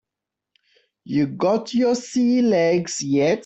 You got your sea legs yet?